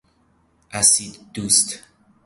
اسیددوست